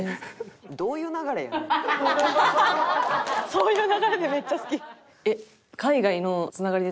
「そういう流れでめっちゃ好き」。